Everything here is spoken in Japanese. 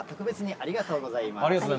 ありがとうございます。